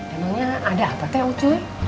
emangnya ada apa teh ucuy